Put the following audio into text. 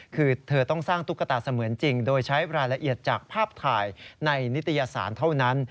คือเธอต้องสร้างตุ๊กตาเสมือนจริงโดยใช้รายละเอียดจากภาพถ่ายในนิตยสารเท่านั้น